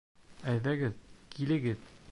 Әйҙәгеҙ, килегеҙ